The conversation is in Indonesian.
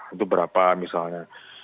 itu berapa misalnya